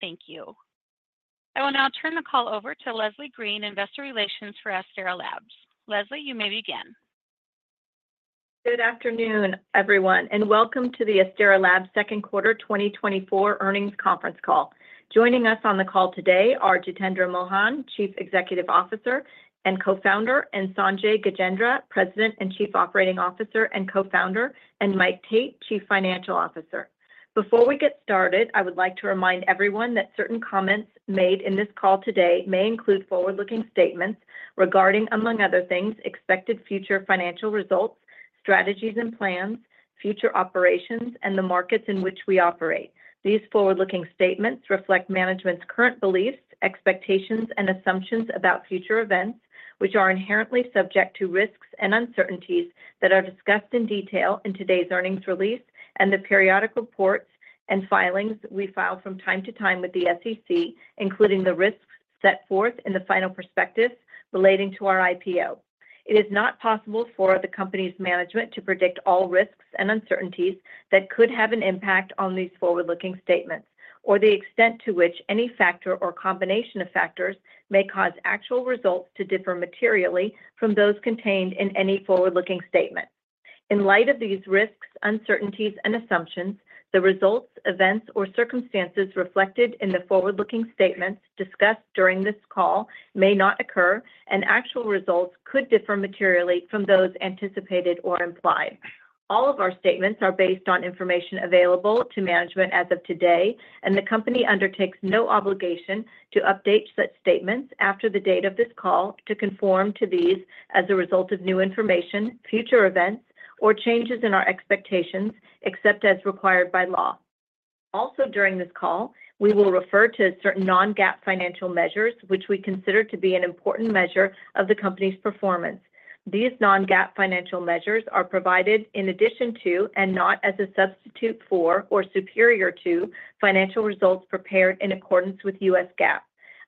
Thank you. I will now turn the call over to Leslie Green, Investor Relations for Astera Labs. Leslie, you may begin. Good afternoon, everyone, and welcome to the Astera Labs Second Quarter 2024 Earnings Conference Call. Joining us on the call today are Jitendra Mohan, Chief Executive Officer and Co-founder, and Sanjay Gajendra, President and Chief Operating Officer and Co-founder, and Mike Tate, Chief Financial Officer. Before we get started, I would like to remind everyone that certain comments made in this call today may include forward-looking statements regarding, among other things, expected future financial results, strategies and plans, future operations, and the markets in which we operate. These forward-looking statements reflect management's current beliefs, expectations, and assumptions about future events, which are inherently subject to risks and uncertainties that are discussed in detail in today's earnings release and the periodic reports and filings we file from time to time with the SEC, including the risks set forth in the final prospectus relating to our IPO. It is not possible for the company's management to predict all risks and uncertainties that could have an impact on these forward-looking statements, or the extent to which any factor or combination of factors may cause actual results to differ materially from those contained in any forward-looking statement. In light of these risks, uncertainties, and assumptions, the results, events, or circumstances reflected in the forward-looking statements discussed during this call may not occur, and actual results could differ materially from those anticipated or implied. All of our statements are based on information available to management as of today, and the company undertakes no obligation to update such statements after the date of this call to conform to these as a result of new information, future events, or changes in our expectations, except as required by law. Also, during this call, we will refer to certain non-GAAP financial measures, which we consider to be an important measure of the company's performance. These non-GAAP financial measures are provided in addition to, and not as a substitute for, or superior to, financial results prepared in accordance with US GAAP.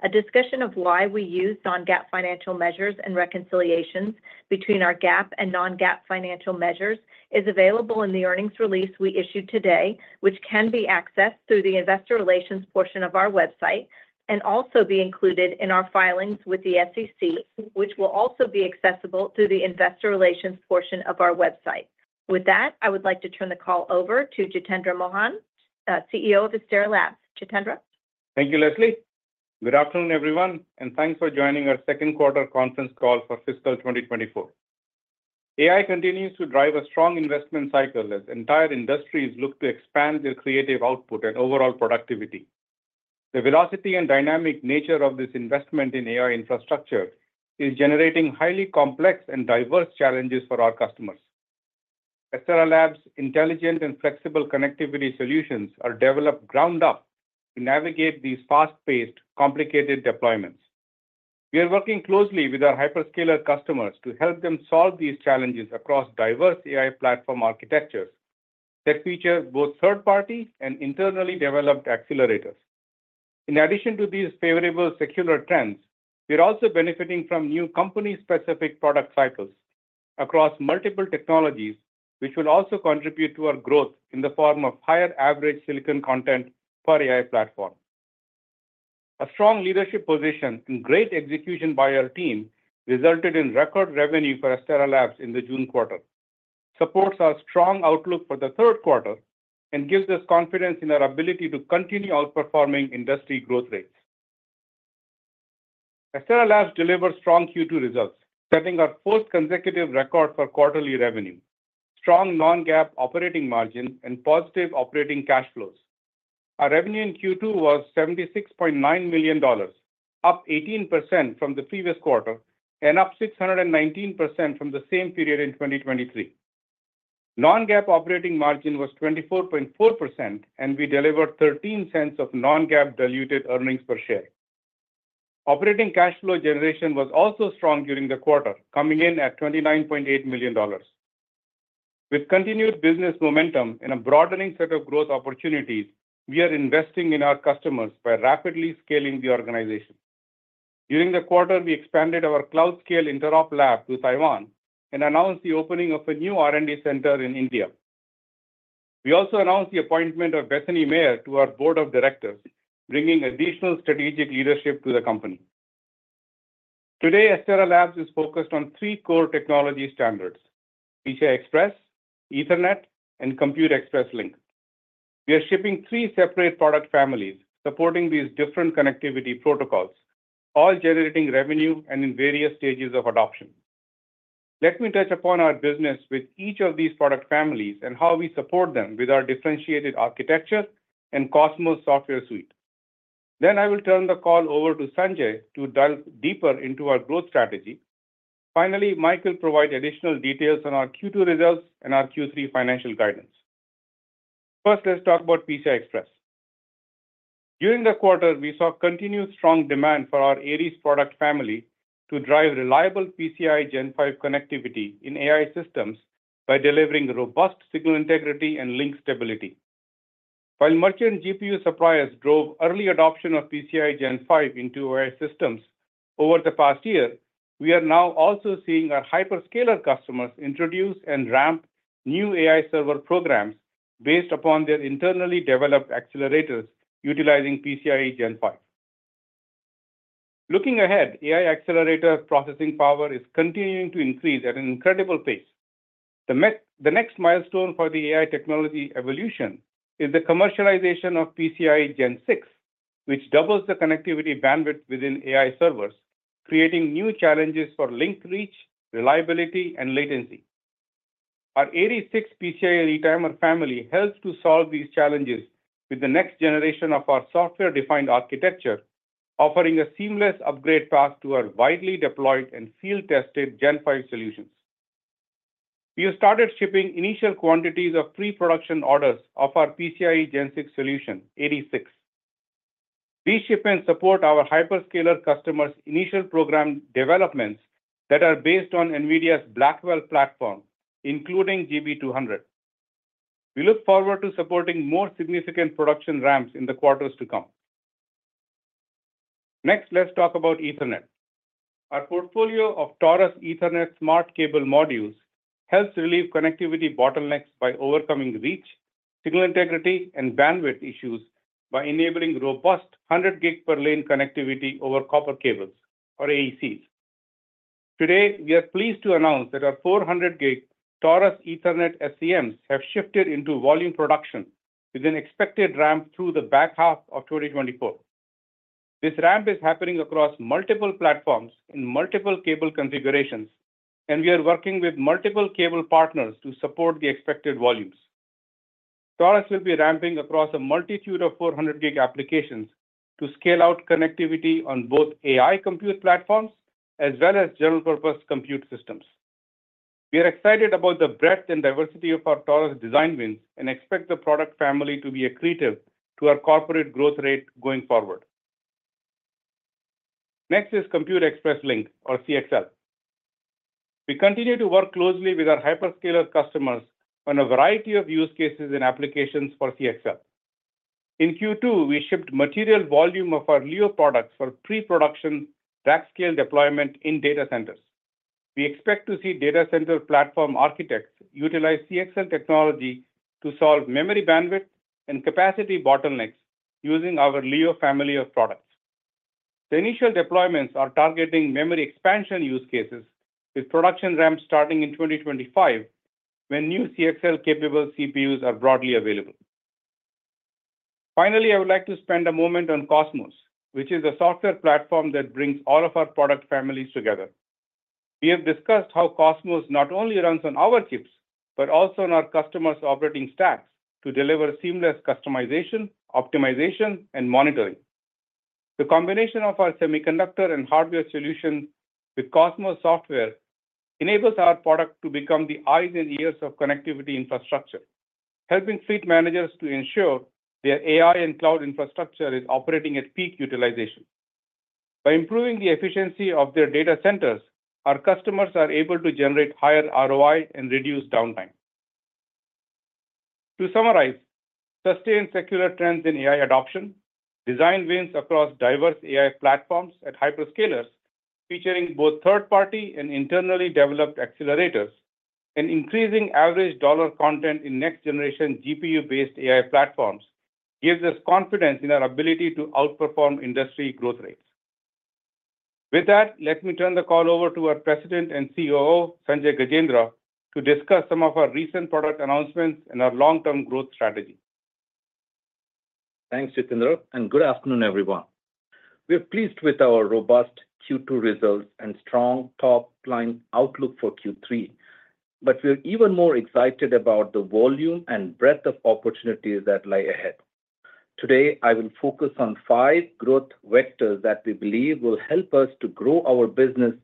A discussion of why we use non-GAAP financial measures and reconciliations between our GAAP and non-GAAP financial measures is available in the earnings release we issued today, which can be accessed through the Investor Relations portion of our website and also be included in our filings with the SEC, which will also be accessible through the Investor Relations portion of our website. With that, I would like to turn the call over to Jitendra Mohan, CEO of Astera Labs. Jitendra. Thank you, Leslie. Good afternoon, everyone, and thanks for joining our Second Quarter Conference Call for Fiscal 2024. AI continues to drive a strong investment cycle as entire industries look to expand their creative output and overall productivity. The velocity and dynamic nature of this investment in AI infrastructure is generating highly complex and diverse challenges for our customers. Astera Labs' intelligent and flexible connectivity solutions are developed ground-up to navigate these fast-paced, complicated deployments. We are working closely with our hyperscaler customers to help them solve these challenges across diverse AI platform architectures that feature both third-party and internally developed accelerators. In addition to these favorable secular trends, we are also benefiting from new company-specific product cycles across multiple technologies, which will also contribute to our growth in the form of higher average silicon content per AI platform. A strong leadership position and great execution by our team resulted in record revenue for Astera Labs in the June quarter, supports our strong outlook for the third quarter, and gives us confidence in our ability to continue outperforming industry growth rates. Astera Labs delivers strong Q2 results, setting our fourth consecutive record for quarterly revenue, strong non-GAAP operating margin, and positive operating cash flows. Our revenue in Q2 was $76.9 million, up 18% from the previous quarter and up 619% from the same period in 2023. Non-GAAP operating margin was 24.4%, and we delivered $0.13 of non-GAAP diluted earnings per share. Operating cash flow generation was also strong during the quarter, coming in at $29.8 million. With continued business momentum and a broadening set of growth opportunities, we are investing in our customers by rapidly scaling the organization. During the quarter, we expanded our cloud-scale interop lab to Taiwan and announced the opening of a new R&D center in India. We also announced the appointment of Bethany Mayer to our board of directors, bringing additional strategic leadership to the company. Today, Astera Labs is focused on three core technology standards: PCI Express, Ethernet, and Compute Express Link. We are shipping three separate product families supporting these different connectivity protocols, all generating revenue and in various stages of adoption. Let me touch upon our business with each of these product families and how we support them with our differentiated architecture and Cosmos software suite. Then I will turn the call over to Sanjay to delve deeper into our growth strategy. Finally, Michael will provide additional details on our Q2 results and our Q3 financial guidance. First, let's talk about PCI Express. During the quarter, we saw continued strong demand for our Aries product family to drive reliable PCI Gen5 connectivity in AI systems by delivering robust signal integrity and link stability. While merchant GPU suppliers drove early adoption of PCI Gen5 into our systems over the past year, we are now also seeing our hyperscaler customers introduce and ramp new AI server programs based upon their internally developed accelerators utilizing PCI Gen5. Looking ahead, AI accelerator processing power is continuing to increase at an incredible pace. The next milestone for the AI technology evolution is the commercialization of PCI Gen6, which doubles the connectivity bandwidth within AI servers, creating new challenges for link reach, reliability, and latency. Our Aries 6 PCI retimer family helps to solve these challenges with the next generation of our software-defined architecture, offering a seamless upgrade path to our widely deployed and field-tested Gen5 solution. We have started shipping initial quantities of pre-production orders of our PCI Gen6 solution, Aries 6. These shipments support our hyperscaler customers' initial program developments that are based on NVIDIA's Blackwell platform, including GB200. We look forward to supporting more significant production ramps in the quarters to come. Next, let's talk about Ethernet. Our portfolio of Taurus Ethernet Smart Cable Modules helps relieve connectivity bottlenecks by overcoming reach, signal integrity, and bandwidth issues by enabling robust 100 gig per lane connectivity over copper cables, or AECs. Today, we are pleased to announce that our 400 gig Taurus Ethernet SCMs have shifted into volume production with an expected ramp through the back half of 2024. This ramp is happening across multiple platforms in multiple cable configurations, and we are working with multiple cable partners to support the expected volumes. Taurus will be ramping across a multitude of 400 gig applications to scale out connectivity on both AI compute platforms as well as general-purpose compute systems. We are excited about the breadth and diversity of our Taurus design wins and expect the product family to be accretive to our corporate growth rate going forward. Next is Compute Express Link, or CXL. We continue to work closely with our hyperscaler customers on a variety of use cases and applications for CXL. In Q2, we shipped material volume of our Leo products for pre-production rack-scale deployment in data centers. We expect to see data center platform architects utilize CXL technology to solve memory bandwidth and capacity bottlenecks using our Leo family of products. The initial deployments are targeting memory expansion use cases, with production ramps starting in 2025 when new CXL-capable CPUs are broadly available. Finally, I would like to spend a moment on Cosmos, which is a software platform that brings all of our product families together. We have discussed how Cosmos not only runs on our chips, but also on our customers' operating stack to deliver seamless customization, optimization, and monitoring. The combination of our semiconductor and hardware solutions with Cosmos software enables our product to become the eyes and ears of connectivity infrastructure, helping fleet managers to ensure their AI and cloud infrastructure is operating at peak utilization. By improving the efficiency of their data centers, our customers are able to generate higher ROI and reduce downtime. To summarize, sustained secular trends in AI adoption, design wins across diverse AI platforms at hyperscalers, featuring both third-party and internally developed accelerators, and increasing average dollar content in next-generation GPU-based AI platforms gives us confidence in our ability to outperform industry growth rate. With that, let me turn the call over to our President and COO, Sanjay Gajendra, to discuss some of our recent product announcements and our long-term growth strategy. Thanks, Jitendra, and good afternoon, everyone. We are pleased with our robust Q2 results and strong top-line outlook for Q3, but we are even more excited about the volume and breadth of opportunities that lie ahead. Today, I will focus on five growth vectors that we believe will help us to grow our business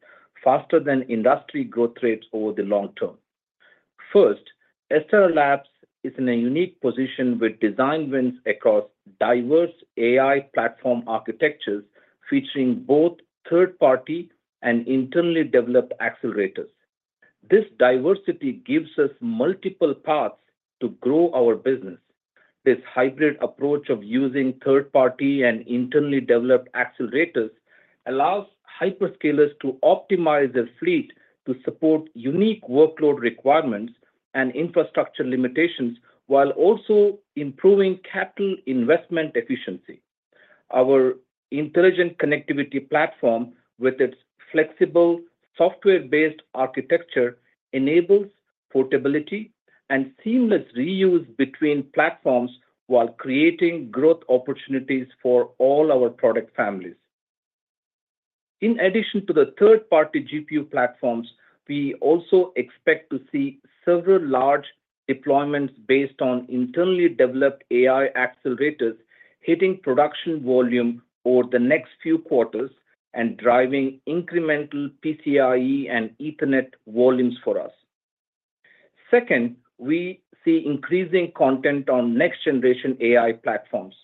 faster than industry growth rates over the long term. First, Astera Labs is in a unique position with design wins across diverse AI platform architectures featuring both third-party and internally developed accelerators. This diversity gives us multiple paths to grow our business. This hybrid approach of using third-party and internally developed accelerators allows hyperscalers to optimize their fleet to support unique workload requirements and infrastructure limitations while also improving capital investment efficiency. Our intelligent connectivity platform, with its flexible software-based architecture, enables portability and seamless reuse between platforms while creating growth opportunities for all our product families. In addition to the third-party GPU platforms, we also expect to see several large deployments based on internally developed AI accelerators hitting production volume over the next few quarters and driving incremental PCIe and Ethernet volumes for us. Second, we see increasing content on next-generation AI platforms.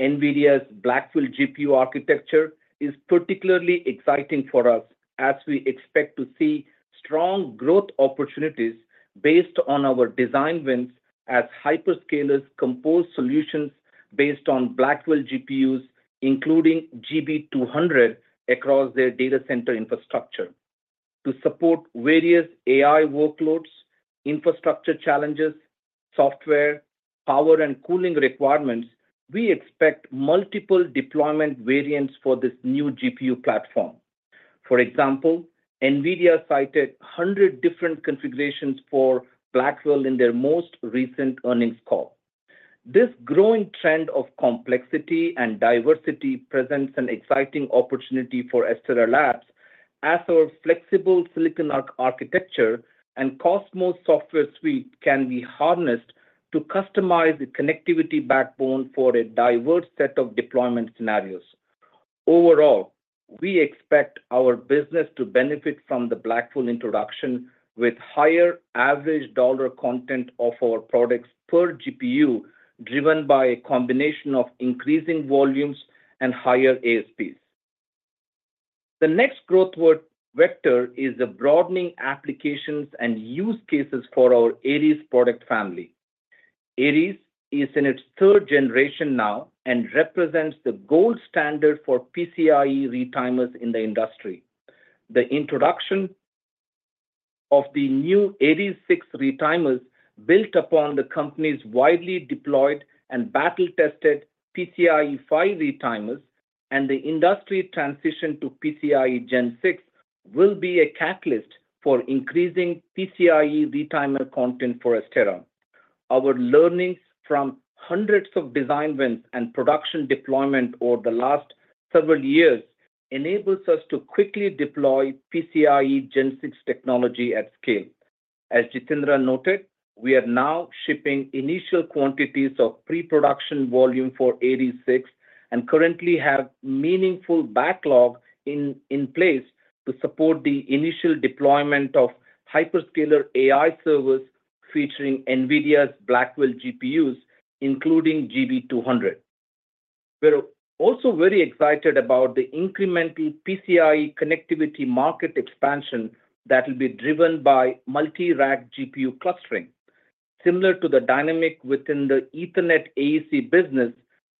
NVIDIA's Blackwell GPU architecture is particularly exciting for us as we expect to see strong growth opportunities based on our design wins as hyperscalers compose solutions based on Blackwell GPUs, including GB200, across their data center infrastructure. To support various AI workloads, infrastructure challenges, software, power, and cooling requirements, we expect multiple deployment variants for this new GPU platform. For example, NVIDIA cited 100 different configurations for Blackwell in their most recent earnings call. This growing trend of complexity and diversity presents an exciting opportunity for Astera Labs as our flexible silicon architecture and Cosmos software suite can be harnessed to customize the connectivity backbone for a diverse set of deployment scenarios. Overall, we expect our business to benefit from the Blackwell introduction with higher average dollar content of our products per GPU, driven by a combination of increasing volumes and higher ASPs. The next growth vector is the broadening applications and use cases for our Aries product family. Aries is in its third generation now and represents the gold standard for PCIe retimers in the industry. The introduction of the new Aries 6 retimers, built upon the company's widely deployed and battle-tested PCIe Gen5 retimers, and the industry transition to PCIe Gen6 will be a catalyst for increasing PCIe retimer content for Astera. Our learnings from hundreds of design wins and production deployment over the last several years enable us to quickly deploy PCIe Gen6 technology at scale. As Jitendra noted, we are now shipping initial quantities of pre-production volume for Aries 6 and currently have meaningful backlog in place to support the initial deployment of hyperscaler AI servers featuring NVIDIA's Blackwell GPUs, including GB200. We're also very excited about the incremental PCIe connectivity market expansion that will be driven by multi-rack GPU clustering. Similar to the dynamic within the Ethernet AEC business,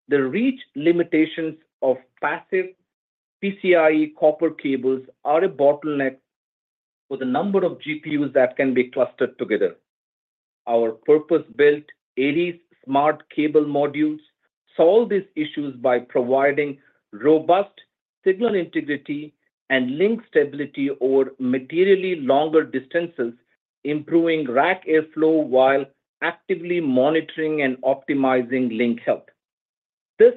the reach limitations of passive PCIe copper cables are a bottleneck for the number of GPUs that can be clustered together. Our purpose-built Aries Smart Cable Modules solve these issues by providing robust signal integrity and link stability over materially longer distances, improving rack airflow while actively monitoring and optimizing link health. This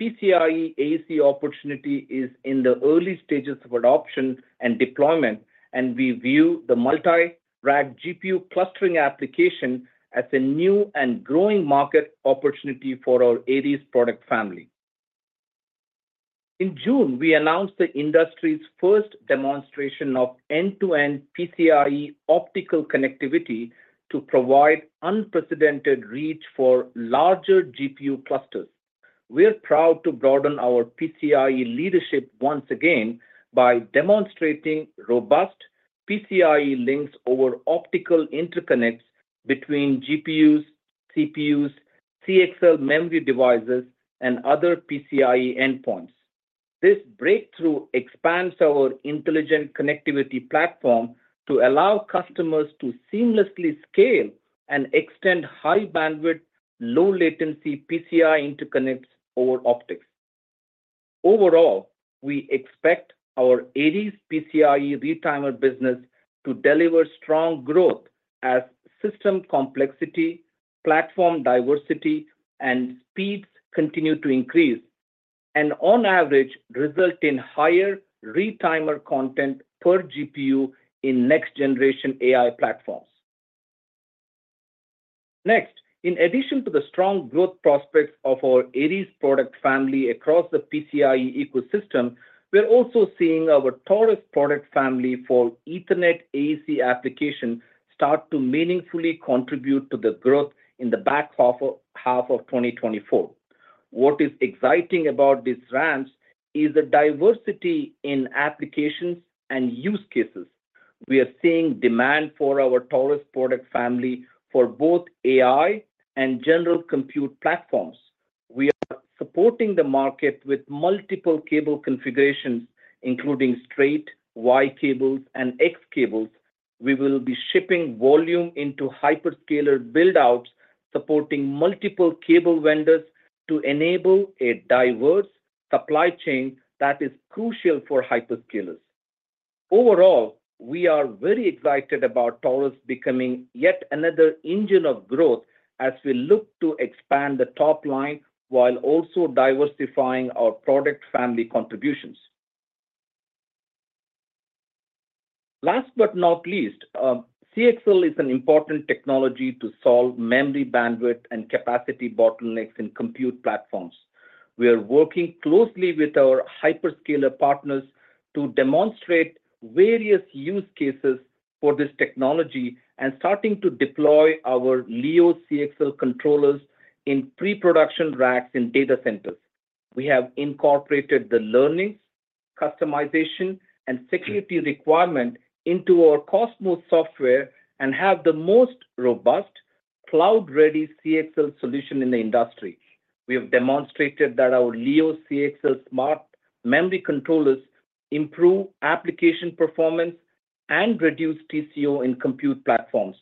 PCIe AEC opportunity is in the early stages of adoption and deployment, and we view the multi-rack GPU clustering application as a new and growing market opportunity for our Aries product family. In June, we announced the industry's first demonstration of end-to-end PCIe optical connectivity to provide unprecedented reach for larger GPU clusters. We are proud to broaden our PCIe leadership once again by demonstrating robust PCIe links over optical interconnects between GPUs, CPUs, CXL memory devices, and other PCIe endpoints. This breakthrough expands our intelligent connectivity platform to allow customers to seamlessly scale and extend high-bandwidth, low-latency PCIe interconnects over optics. Overall, we expect our Aries PCIe retimer business to deliver strong growth as system complexity, platform diversity, and speeds continue to increase and on average result in higher retimer content per GPU in next-generation AI platforms. Next, in addition to the strong growth prospects of our Aries product family across the PCIe ecosystem, we're also seeing our Taurus product family for Ethernet AEC applications start to meaningfully contribute to the growth in the back half of 2024. What is exciting about this franchise is the diversity in applications and use cases. We are seeing demand for our Taurus product family for both AI and general compute platforms. We are supporting the market with multiple cable configurations, including straight, Y cables, and X cables. We will be shipping volume into hyperscaler buildouts, supporting multiple cable vendors to enable a diverse supply chain that is crucial for hyperscalers. Overall, we are very excited about Taurus becoming yet another engine of growth as we look to expand the top line while also diversifying our product family contributions. Last but not least, CXL is an important technology to solve memory bandwidth and capacity bottlenecks in compute platforms. We are working closely with our hyperscaler partners to demonstrate various use cases for this technology and starting to deploy our Leo CXL controllers in pre-production racks in data centers. We have incorporated the learning, customization, and security requirement into our Cosmos software and have the most robust, cloud-ready CXL solution in the industry. We have demonstrated that our Leo CXL smart memory controllers improve application performance and reduce TCO in compute platforms.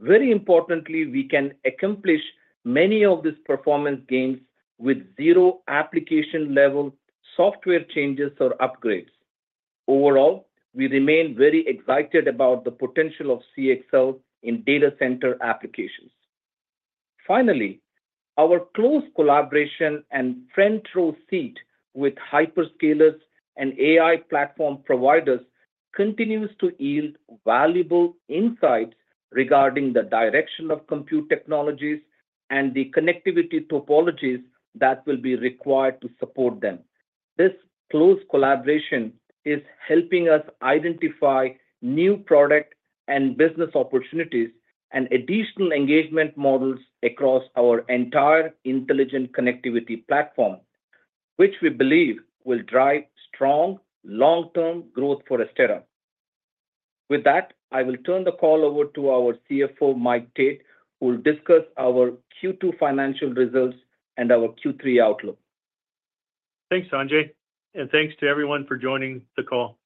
Very importantly, we can accomplish many of these performance gains with zero application-level software changes or upgrades. Overall, we remain very excited about the potential of CXL in data center applications. Finally, our close collaboration and front-row seat with hyperscalers and AI platform providers continues to yield valuable insights regarding the direction of compute technologies and the connectivity topologies that will be required to support them. This close collaboration is helping us identify new product and business opportunities and additional engagement models across our entire intelligent connectivity platform, which we believe will drive strong long-term growth for Astera. With that, I will turn the call over to our CFO, Mike Tate, who will discuss our Q2 financial results and our Q3 outlook. Thanks, Sanjay, and thanks to everyone for joining the call.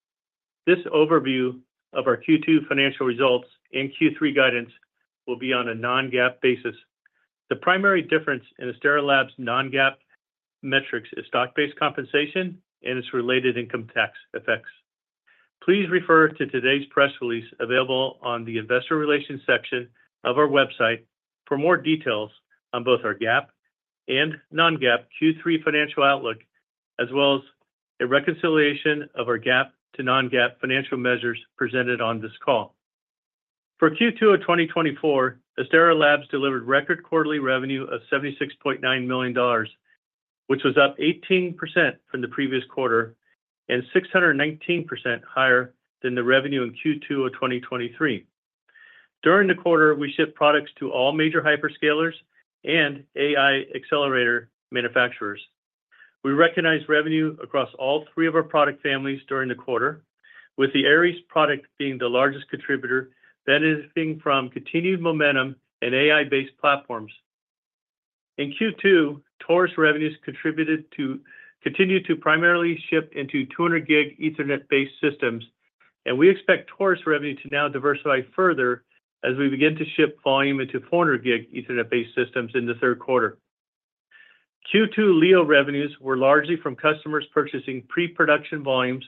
This overview of our Q2 financial results and Q3 guidance will be on a Non-GAAP basis. The primary difference in Astera Labs' Non-GAAP metrics is stock-based compensation and its related income tax effects. Please refer to today's press release available on the investor relations section of our website for more details on both our GAAP and Non-GAAP Q3 financial outlook, as well as a reconciliation of our GAAP to Non-GAAP financial measures presented on this call. For Q2 of 2024, Astera Labs delivered record quarterly revenue of $76.9 million, which was up 18% from the previous quarter and 619% higher than the revenue in Q2 of 2023. During the quarter, we shipped products to all major hyperscalers and AI accelerator manufacturers. We recognized revenue across all three of our product families during the quarter, with the Aries product being the largest contributor, benefiting from continued momentum and AI-based platforms. In Q2, Taurus revenues continued to primarily ship into 200-gig Ethernet-based systems, and we expect Taurus revenue to now diversify further as we begin to ship volume into 400-gig Ethernet-based systems in the third quarter. Q2 Leo revenues were largely from customers purchasing pre-production volumes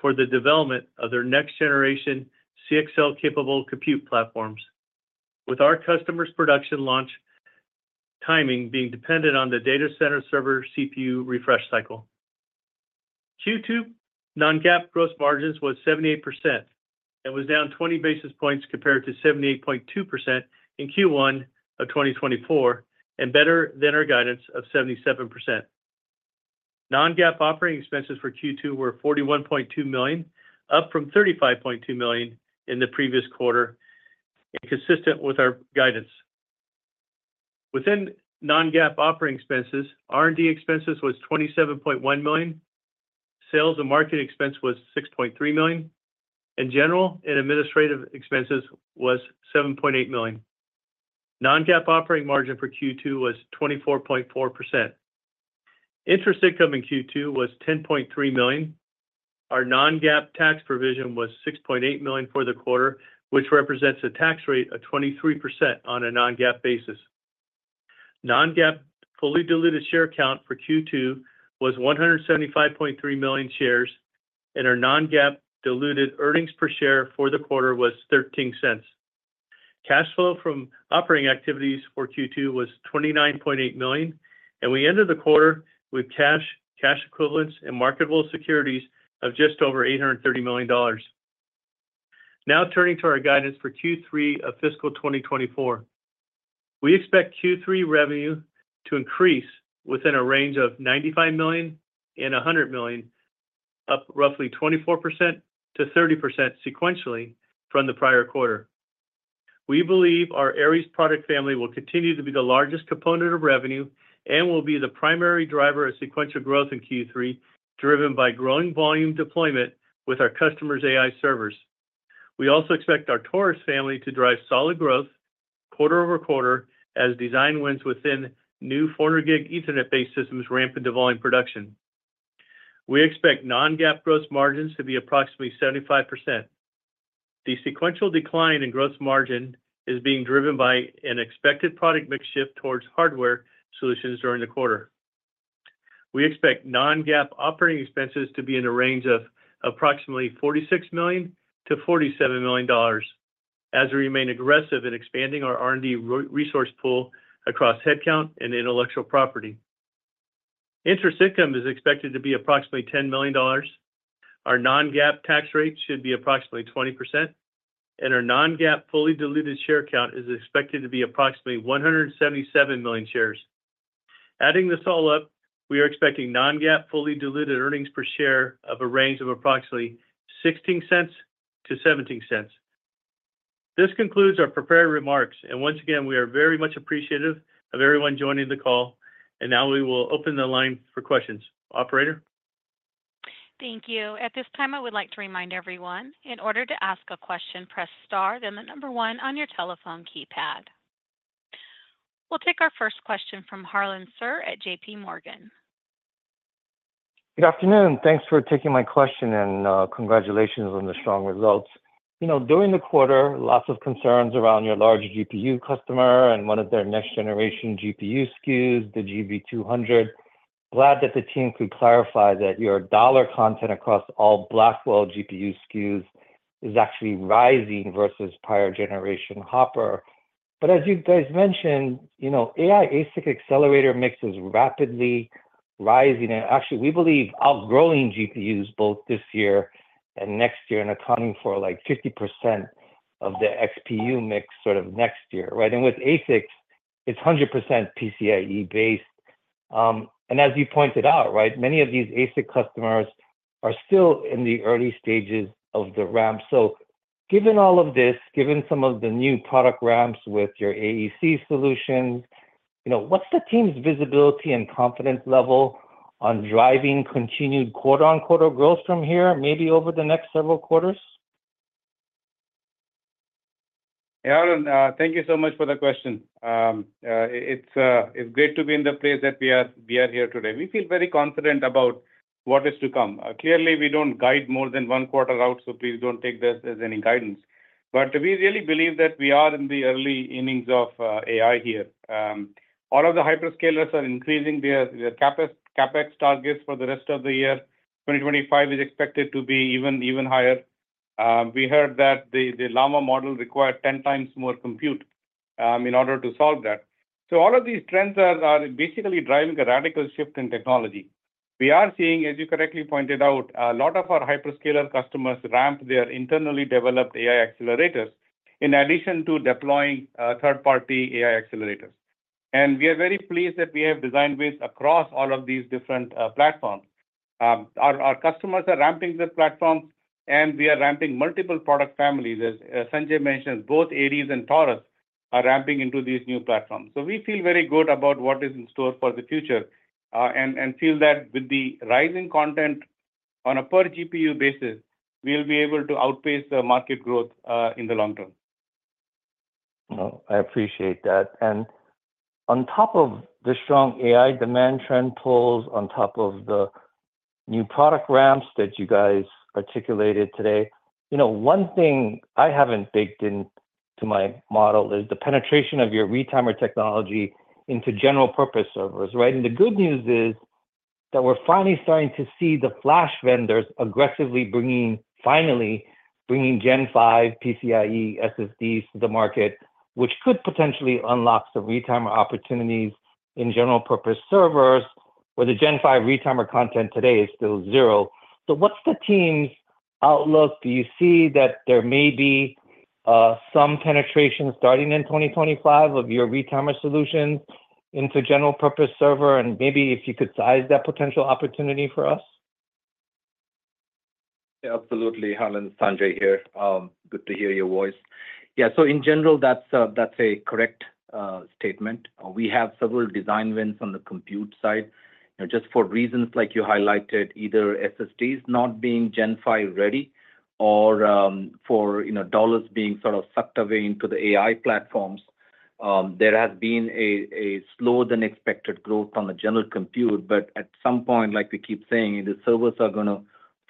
for the development of their next-generation CXL-capable compute platforms, with our customers' production launch timing being dependent on the data center server CPU refresh cycle. Q2 non-GAAP gross margins were 78% and were down 20 basis points compared to 78.2% in Q1 of 2024, and better than our guidance of 77%. Non-GAAP operating expenses for Q2 were $41.2 million, up from $35.2 million in the previous quarter, and consistent with our guidance. Within non-GAAP operating expenses, R&D expenses were $27.1 million, sales and marketing expenses were $6.3 million, and general and administrative expenses were $7.8 million. Non-GAAP operating margin for Q2 was 24.4%. Interest income in Q2 was $10.3 million. Our non-GAAP tax provision was $6.8 million for the quarter, which represents a tax rate of 23% on a non-GAAP basis. Non-GAAP fully diluted share count for Q2 was 175.3 million shares, and our non-GAAP diluted earnings per share for the quarter was $0.13. Cash flow from operating activities for Q2 was $29.8 million, and we ended the quarter with cash, cash equivalents, and marketable securities of just over $830 million. Now turning to our guidance for Q3 of fiscal 2024, we expect Q3 revenue to increase within a range of $95 million-$100 million, up roughly 24%-30% sequentially from the prior quarter. We believe our Aries product family will continue to be the largest component of revenue and will be the primary driver of sequential growth in Q3, driven by growing volume deployment with our customers' AI servers. We also expect our Taurus family to drive solid growth quarter over quarter as design wins within new 400-gig Ethernet-based systems ramp into volume production. We expect non-GAAP gross margins to be approximately 75%. The sequential decline in gross margin is being driven by an expected product mix shift towards hardware solutions during the quarter. We expect non-GAAP operating expenses to be in a range of approximately $46 million-$47 million as we remain aggressive in expanding our R&D resource pool across headcount and intellectual property. Interest income is expected to be approximately $10 million. Our non-GAAP tax rate should be approximately 20%, and our non-GAAP fully diluted share count is expected to be approximately 177 million shares. Adding this all up, we are expecting non-GAAP fully diluted earnings per share of a range of approximately $0.16-$0.17. This concludes our prepared remarks, and once again, we are very much appreciative of everyone joining the call, and now we will open the line for questions. Operator. Thank you. At this time, I would like to remind everyone, in order to ask a question, press star, then the number one on your telephone keypad. We'll take our first question from Harlan Sur at J.P. Morgan. Good afternoon. Thanks for taking my question, and congratulations on the strong results. You know, during the quarter, lots of concerns around your large GPU customer and one of their next-generation GPU SKUs, the GB200. Glad that the team could clarify that your dollar content across all Blackwell GPU SKUs is actually rising versus prior-generation Hopper. But as you guys mentioned, you know, AI ASIC accelerator mix is rapidly rising, and actually, we believe outgrowing GPUs both this year and next year and accounting for like 50% of the XPU mix sort of next year, right? And with ASICs, it's 100% PCIe-based. And as you pointed out, right, many of these ASIC customers are still in the early stages of the ramp. So given all of this, given some of the new product ramps with your AEC solutions, you know, what's the team's visibility and confidence level on driving continued quarter-on-quarter growth from here, maybe over the next several quarters? Yeah, Harlan, thank you so much for the question. It's great to be in the place that we are here today. We feel very confident about what is to come. Clearly, we don't guide more than one quarter out, so please don't take this as any guidance. But we really believe that we are in the early innings of AI here. All of the hyperscalers are increasing their CapEx targets for the rest of the year. 2025 is expected to be even higher. We heard that the Llama model required 10 times more compute in order to solve that. So all of these trends are basically driving a radical shift in technology. We are seeing, as you correctly pointed out, a lot of our hyperscaler customers ramp their internally developed AI accelerators in addition to deploying third-party AI accelerators. We are very pleased that we have design wins across all of these different platforms. Our customers are ramping their platforms, and they are ramping multiple product families. As Sanjay mentioned, both Aries and Taurus are ramping into these new platforms. So we feel very good about what is in store for the future and feel that with the rising content on a per GPU basis, we'll be able to outpace the market growth in the long term. Oh, I appreciate that. And on top of the strong AI demand trends, on top of the new product ramps that you guys articulated today, you know, one thing I haven't baked into my model is the penetration of your retimer technology into general-purpose servers, right? And the good news is that we're finally starting to see the flash vendors aggressively bringing, finally, bringing Gen5 PCIe SSDs to the market, which could potentially unlock some retimer opportunities in general-purpose servers, where the Gen5 retimer content today is still zero. So what's the team's outlook? Do you see that there may be some penetration starting in 2025 of your retimer solutions into general-purpose server, and maybe if you could size that potential opportunity for us? Yeah, absolutely. Harlan, Sanjay here. Good to hear your voice. Yeah, so in general, that's a correct statement. We have several design wins on the compute side. Just for reasons like you highlighted, either SSDs not being Gen5 ready or for dollars being sort of sucked away into the AI platforms, there has been a slower-than-expected growth on the general compute. But at some point, like we keep saying, the servers are going to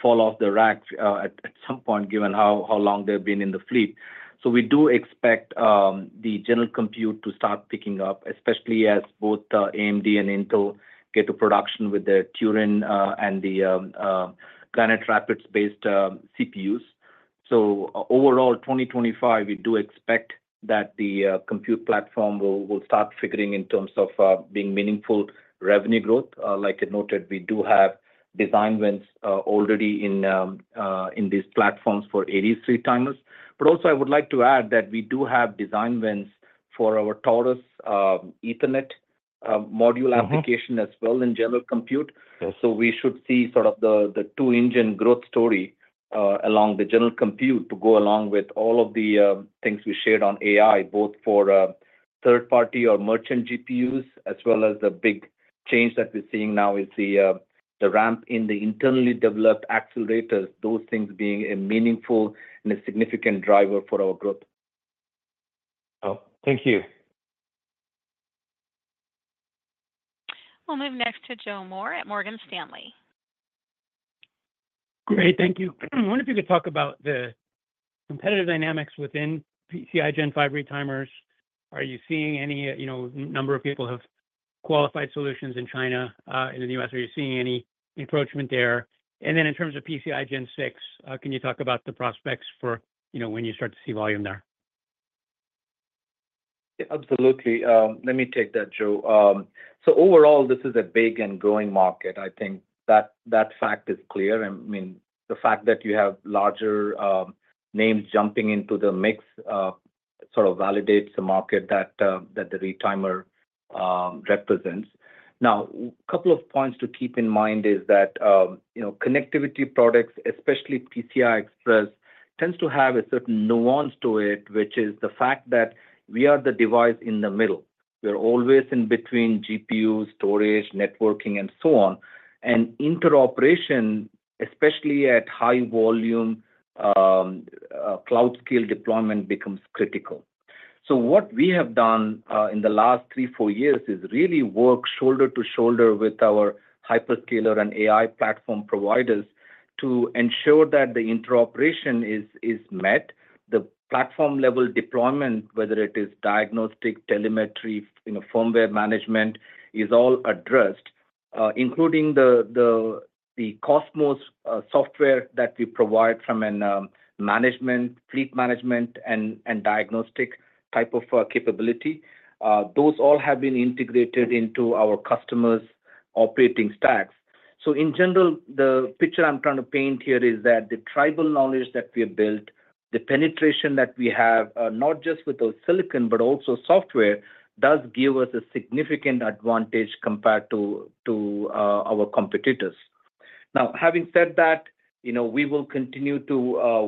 fall off the racks at some point, given how long they've been in the fleet. So we do expect the general compute to start picking up, especially as both AMD and Intel get to production with their Turin and the Granite Rapids-based CPUs. So overall, 2025, we do expect that the compute platform will start figuring in terms of being meaningful revenue growth. Like I noted, we do have design wins already in these platforms for Aries retimers. But also, I would like to add that we do have design wins for our Taurus Ethernet module application as well in general compute. So we should see sort of the two-engine growth story along the general compute to go along with all of the things we shared on AI, both for third-party or merchant GPUs, as well as the big change that we're seeing now is the ramp in the internally developed accelerators, those things being a meaningful and a significant driver for our growth. Oh, thank you. We'll move next to Joe Moore at Morgan Stanley. Great, thank you. I wonder if you could talk about the competitive dynamics within PCI Gen5 retimers. Are you seeing any, you know, number of people have qualified solutions in China, in the US? Are you seeing any encroachment there? And then in terms of PCI Gen6, can you talk about the prospects for, you know, when you start to see volume there? Absolutely. Let me take that, Joe. So overall, this is a big and growing market. I think that fact is clear. I mean, the fact that you have larger names jumping into the mix sort of validates the market that the retimer represents. Now, a couple of points to keep in mind is that, you know, connectivity products, especially PCI Express, tend to have a certain nuance to it, which is the fact that we are the device in the middle. We're always in between GPUs, storage, networking, and so on. And interoperation, especially at high-volume cloud-scale deployment, becomes critical. So what we have done in the last 3, 4 years is really work shoulder to shoulder with our hyperscaler and AI platform providers to ensure that the interoperation is met. The platform-level deployment, whether it is diagnostic, telemetry, you know, firmware management, is all addressed, including the Cosmos software that we provide from a management, fleet management, and diagnostic type of capability. Those all have been integrated into our customers' operating stacks. So in general, the picture I'm trying to paint here is that the tribal knowledge that we have built, the penetration that we have, not just with the silicon, but also software, does give us a significant advantage compared to our competitors. Now, having said that, you know, we will continue to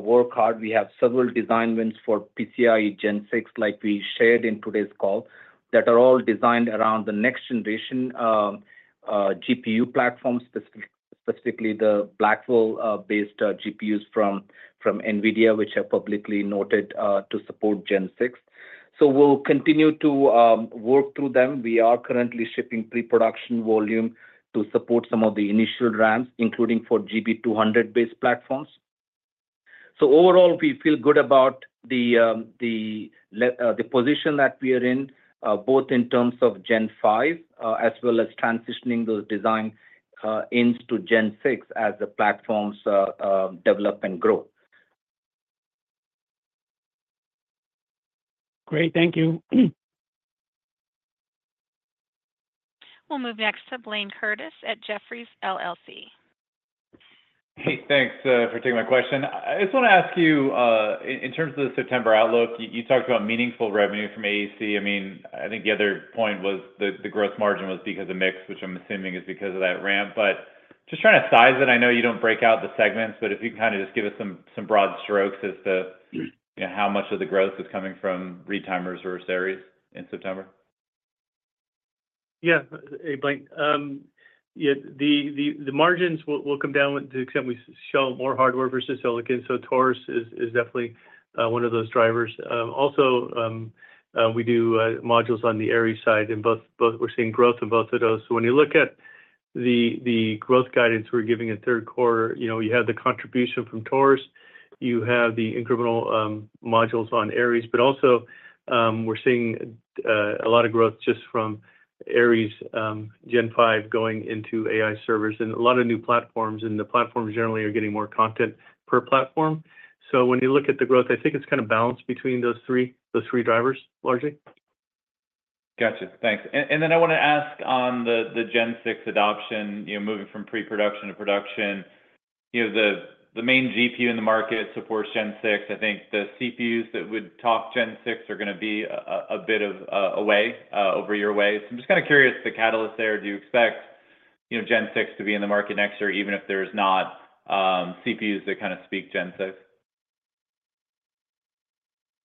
work hard. We have several design wins for PCI Gen6, like we shared in today's call, that are all designed around the next-generation GPU platform, specifically the Blackwell-based GPUs from NVIDIA, which are publicly noted to support Gen6. So we'll continue to work through them. We are currently shipping pre-production volume to support some of the initial ramps, including for GB200-based platforms. So overall, we feel good about the position that we are in, both in terms of Gen5 as well as transitioning those design ends to Gen6 as the platforms develop and grow. Great, thank you. We'll move next to Blayne Curtis at Jefferies LLC. Hey, thanks for taking my question. I just want to ask you, in terms of the September outlook, you talked about meaningful revenue from AEC. I mean, I think the other point was the growth margin was because of mix, which I'm assuming is because of that ramp. But just trying to size it, I know you don't break out the segments, but if you can kind of just give us some broad strokes as to how much of the growth is coming from retimers or Aries in September. Yeah, hey, Blaine. Yeah, the margins will come down to the extent we sell more hardware versus silicon. So Taurus is definitely one of those drivers. Also, we do modules on the Aries side, and we're seeing growth in both of those. So when you look at the growth guidance we're giving in third quarter, you know, you have the contribution from Taurus, you have the incremental modules on Aries, but also we're seeing a lot of growth just from Aries Gen5 going into AI servers and a lot of new platforms, and the platforms generally are getting more content per platform. So when you look at the growth, I think it's kind of balanced between those three, those three drivers largely. Gotcha, thanks. And then I want to ask on the Gen6 adoption, you know, moving from pre-production to production, you know, the main GPU in the market supports Gen6. I think the CPUs that would top Gen6 are going to be a bit of a way over your way. So I'm just kind of curious, the catalyst there, do you expect, you know, Gen6 to be in the market next year, even if there's not CPUs that kind of speak Gen6?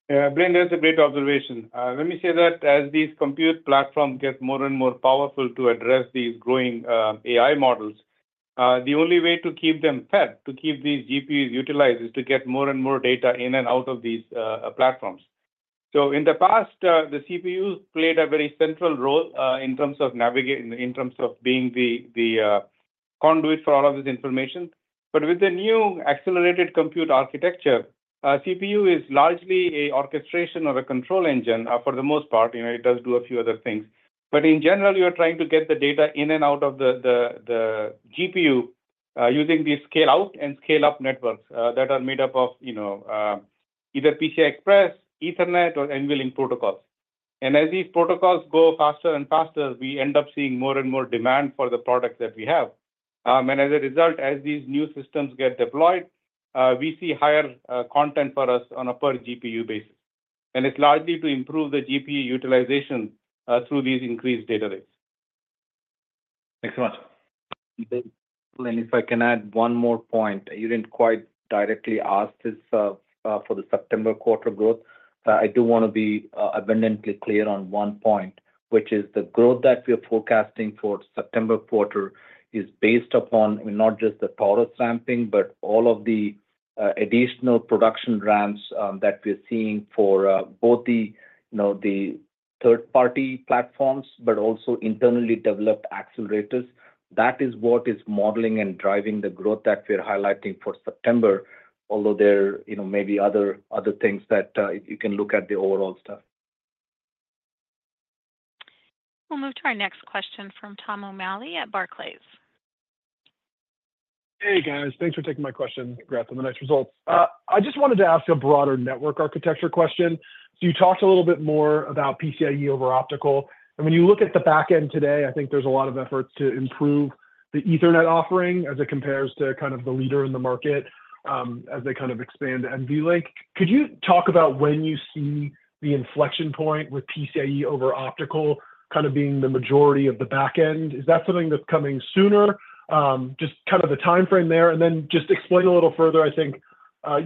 Yeah, Blaine, that's a great observation. Let me say that as these compute platforms get more and more powerful to address these growing AI models, the only way to keep them fed, to keep these GPUs utilized, is to get more and more data in and out of these platforms. So in the past, the CPUs played a very central role in terms of navigating, in terms of being the conduit for all of this information. But with the new accelerated compute architecture, CPU is largely an orchestration or a control engine for the most part. You know, it does do a few other things. But in general, you're trying to get the data in and out of the GPU using the scale-out and scale-up networks that are made up of, you know, either PCI Express, Ethernet, or NVLink protocols. As these protocols go faster and faster, we end up seeing more and more demand for the product that we have. As a result, as these new systems get deployed, we see higher content for us on a per GPU basis. It's largely to improve the GPU utilization through these increased data rates. Thanks so much. Blaine, if I can add one more point, you didn't quite directly ask this for the September quarter growth. I do want to be abundantly clear on one point, which is the growth that we are forecasting for September quarter is based upon, I mean, not just the Taurus ramping, but all of the additional production ramps that we're seeing for both the, you know, the third-party platforms, but also internally developed accelerators. That is what is modeling and driving the growth that we're highlighting for September, although there, you know, may be other things that you can look at the overall stuff. We'll move to our next question from Tom O'Malley at Barclays. Hey, guys, thanks for taking my question. Grateful for the next results. I just wanted to ask a broader network architecture question. Can you talk a little bit more about PCIe over optical? And when you look at the backend today, I think there's a lot of effort to improve the Ethernet offering as it compares to kind of the leader in the market as they kind of expand to NVLink. Could you talk about when you see the inflection point with PCIe over optical kind of being the majority of the backend? Is that something that's coming sooner? Just kind of the timeframe there. And then just explain a little further. I think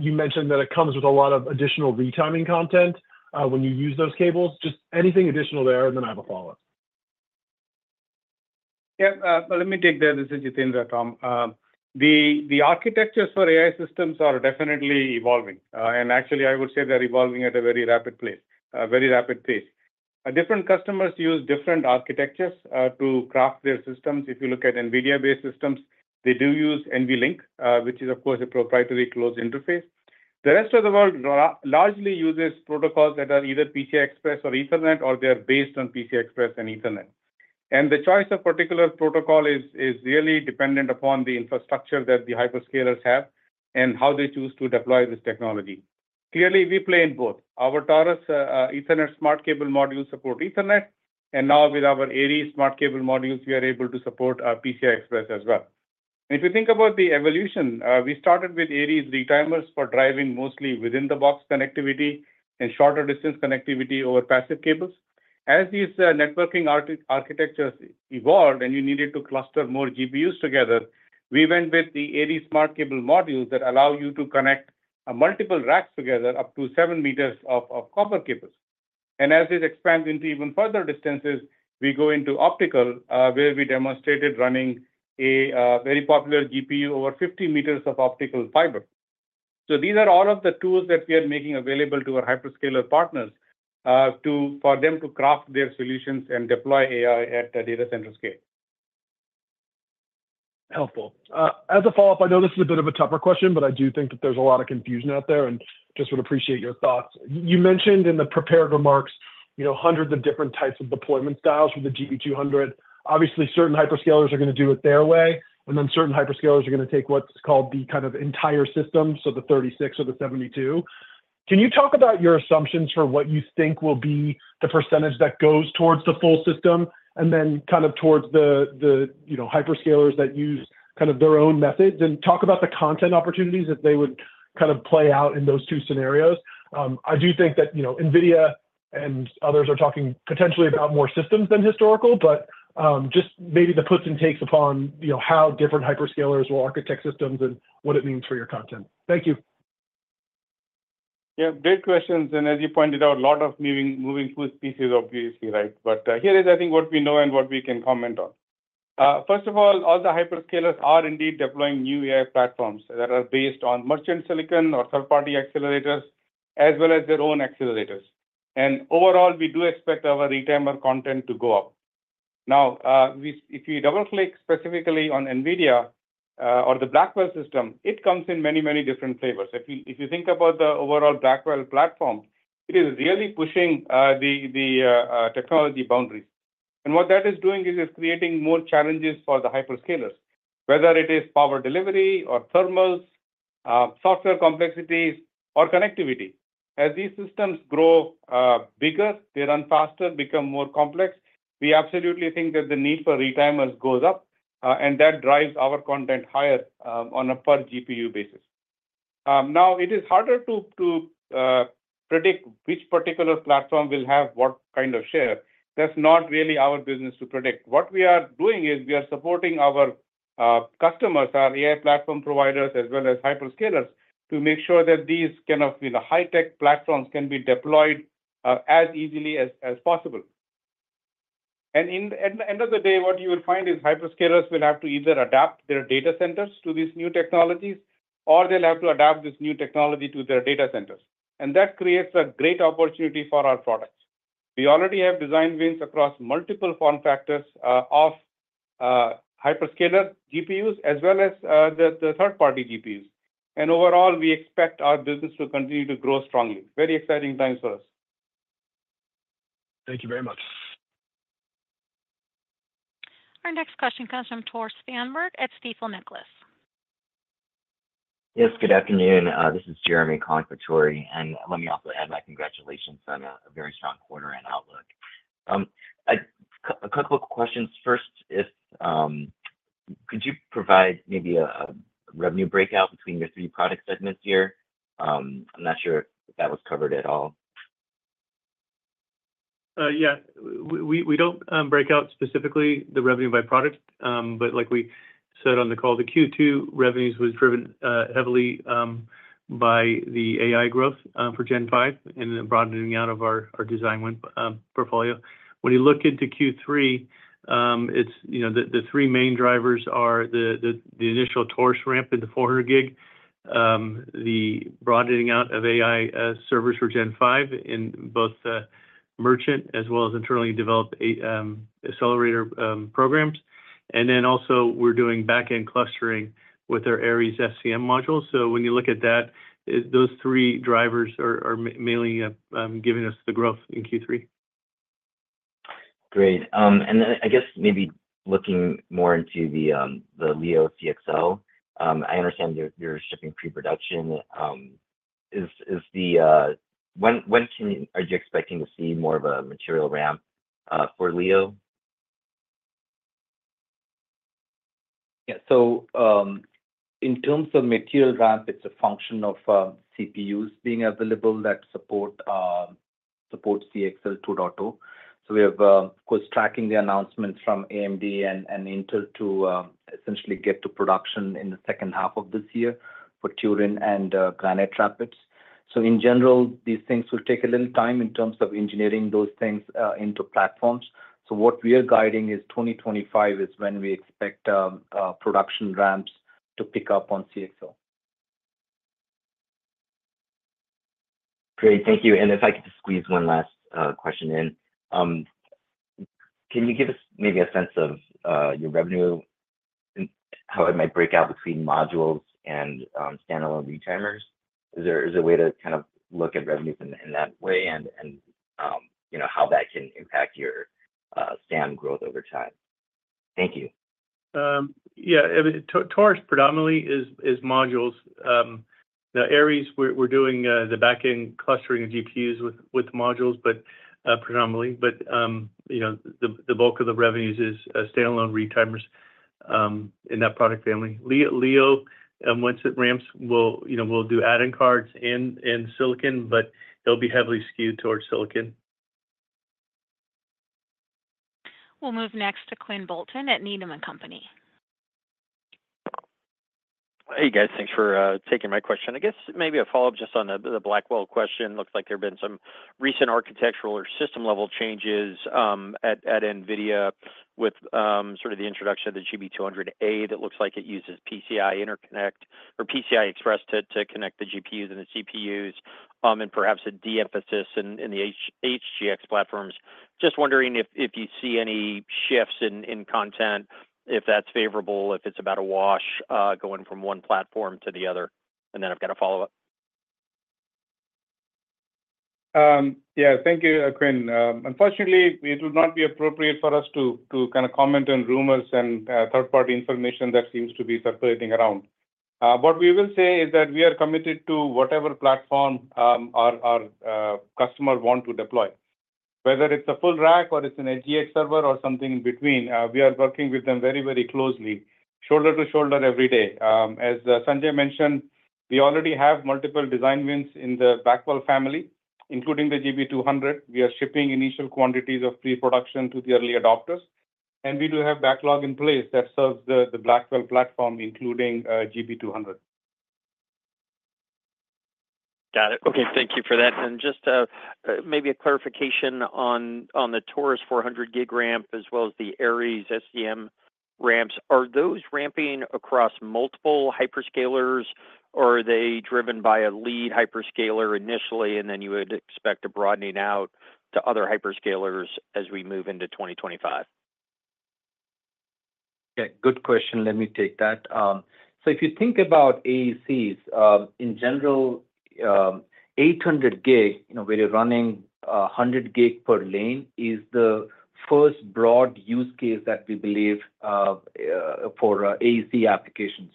you mentioned that it comes with a lot of additional retiming content when you use those cables. Just anything additional there, and then I have a follow-up. Yeah, let me take that. This is Jitendra, Tom. The architectures for AI systems are definitely evolving. And actually, I would say they're evolving at a very rapid pace. Different customers use different architectures to craft their systems. If you look at NVIDIA-based systems, they do use NVLink, which is, of course, a proprietary closed interface. The rest of the world largely uses protocols that are either PCI Express or Ethernet, or they're based on PCI Express and Ethernet. And the choice of particular protocol is really dependent upon the infrastructure that the hyperscalers have and how they choose to deploy this technology. Clearly, we play in both. Our Taurus Ethernet Smart Cable Modules support Ethernet. And now with our Aries Smart Cable Modules, we are able to support PCI Express as well. If you think about the evolution, we started with Aries retimers for driving mostly within-the-box connectivity and shorter-distance connectivity over passive cables. As these networking architectures evolved and you needed to cluster more GPUs together, we went with the Aries Smart Cable Modules that allow you to connect multiple racks together up to 7 meters of copper cable. As it expands into even further distances, we go into optical, where we demonstrated running a very popular GPU over 50 meters of optical fiber. These are all of the tools that we are making available to our hyperscaler partners for them to craft their solutions and deploy AI at the data center scale. Helpful. As a follow-up, I know this is a bit of a tougher question, but I do think that there's a lot of confusion out there, and just would appreciate your thoughts. You mentioned in the prepared remarks, you know, hundreds of different types of deployment styles for the GB200. Obviously, certain hyperscalers are going to do it their way, and then certain hyperscalers are going to take what's called the kind of entire system, so the 36 or the 72. Can you talk about your assumptions for what you think will be the percentage that goes towards the full system and then kind of towards the, you know, hyperscalers that use kind of their own methods? And talk about the content opportunities as they would kind of play out in those two scenarios. I do think that, you know, NVIDIA and others are talking potentially about more systems than historical, but just maybe the puts and takes upon, you know, how different hyperscalers will architect systems and what it means for your content. Thank you. Yeah, great questions. And as you pointed out, a lot of moving parts obviously, right? But here is, I think, what we know and what we can comment on. First of all, all the hyperscalers are indeed deploying new AI platforms that are based on merchant silicon or third-party accelerators, as well as their own accelerators. And overall, we do expect our retimer content to go up. Now, if you double-click specifically on NVIDIA or the Blackwell system, it comes in many, many different flavors. If you think about the overall Blackwell platform, it is really pushing the technology boundary. And what that is doing is creating more challenges for the hyperscalers, whether it is power delivery or thermals, software complexities, or connectivity. As these systems grow bigger, they run faster, become more complex. We absolutely think that the need for retimers goes up, and that drives our content higher on a per GPU basis. Now, it is harder to predict which particular platform will have what kind of share. That's not really our business to predict. What we are doing is we are supporting our customers, our AI platform providers, as well as hyperscalers, to make sure that these kind of high-tech platforms can be deployed as easily as possible. And at the end of the day, what you will find is hyperscalers will have to either adapt their data centers to these new technologies, or they'll have to adapt this new technology to their data centers. And that creates a great opportunity for our product. We already have design wins across multiple form factors of hyperscaler GPUs, as well as the third-party GPUs. Overall, we expect our business to continue to grow strongly. Very exciting times for us. Thank you very much. Our next question comes from Tore Svanberg at Stifel. Yes, good afternoon. This is Jeremy calling for Tore. And let me also add my congratulations on a very strong quarter and outlook. A couple of questions. First, could you provide maybe a revenue breakout between your three products that are in this year? I'm not sure if that was covered at all? Yeah, we don't break out specifically the revenue by product. But like we said on the call, the Q2 revenues were driven heavily by the AI growth for Gen5 and the broadening out of our design win portfolio. When you look into Q3, you know, the three main drivers are the initial Taurus ramp in the 400 gig, the broadening out of AI servers for Gen5 in both merchant as well as internally developed accelerator programs. And then also we're doing backend clustering with our Aries SCM modules. So when you look at that, those three drivers are mainly giving us the growth in Q3. Great. And I guess maybe looking more into the Leo CXL, I understand you're shipping pre-production. When are you expecting to see more of a material ramp for Leo? Yeah, so in terms of material ramp, it's a function of CPUs being available that support CXL 2.0. So we're, of course, tracking the announcements from AMD and Intel to essentially get to production in the second half of this year for Turin and Granite Rapids. So in general, these things will take a little time in terms of engineering those things into platforms. So what we are guiding is 2025 is when we expect production ramps to pick up on CXL. Great, thank you. And if I could just squeeze one last question in, can you give us maybe a sense of your revenue, how it might break out between modules and standalone retimers? Is there a way to kind of look at revenues in that way and, you know, how that can impact your SAM growth over time? Thank you. Yeah, Taurus predominantly is modules. The Aries, we're doing the backend clustering of GPUs with modules, but predominantly. But, you know, the bulk of the revenues is standalone retimers in that product family. Leo, once it ramps, we'll do add-in cards in silicon, but they'll be heavily skewed towards silicon. We'll move next to Quinn Bolton at Needham & Company. Hey, guys, thanks for taking my question. I guess maybe a follow-up just on the Blackwell question. Looks like there have been some recent architectural or system-level changes at NVIDIA with sort of the introduction of the GB200A that looks like it uses PCI Interconnect or PCI Express to connect the GPUs and the CPUs and perhaps a de-emphasis in the HGX platforms. Just wondering if you see any shifts in content, if that's favorable, if it's about a wash going from one platform to the other? And then I've got a follow-up. Yeah, thank you, Quinn. Unfortunately, it will not be appropriate for us to kind of comment on rumors and third-party information that seems to be circulating around. What we will say is that we are committed to whatever platform our customers want to deploy. Whether it's a full rack or it's an edge server or something in between, we are working with them very, very closely, shoulder to shoulder every day. As Sanjay mentioned, we already have multiple design wins in the Blackwell family, including the GB200. We are shipping initial quantities of pre-production to the early adopters. And we do have backlog in place that serves the Blackwell platform, including GB200. Got it. Okay, thank you for that. And just maybe a clarification on the Taurus 400 gig ramp as well as the Aries SCM ramps. Are those ramping across multiple hyperscalers, or are they driven by a lead hyperscaler initially, and then you would expect a broadening out to other hyperscalers as we move into 2025? Okay, good question. Let me take that. So if you think about AECs, in general, 800 gig, you know, when you're running 100 gig per lane, is the first broad use case that we believe for AEC applications.